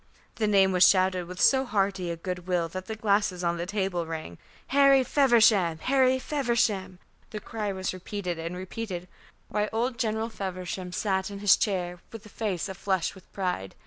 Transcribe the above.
The name was shouted with so hearty a good will that the glasses on the table rang. "Harry Feversham, Harry Feversham," the cry was repeated and repeated, while old General Feversham sat in his chair with a face aflush with pride.